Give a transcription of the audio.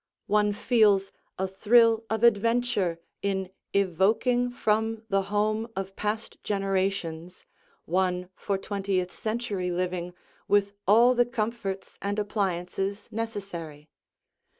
One feels a thrill of adventure in evoking from the home of past generations one for twentieth century living with all the comforts and appliances necessary.